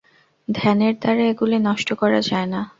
ধ্যানের দ্বারা এগুলি নষ্ট করা যায় না।